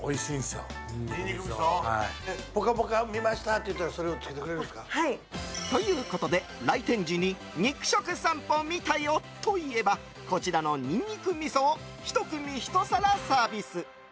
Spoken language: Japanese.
「ぽかぽか」見ましたって言ったらはい。ということで、来店時に肉食さんぽ見たよと言えばこちらのにんにく味噌を１組１皿サービス。